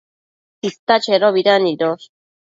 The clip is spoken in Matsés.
Tita chedobida nidosh?